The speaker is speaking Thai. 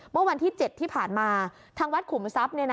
เมื่อวันที่๗ที่ผ่านมาทางวัดขุมทรัพย์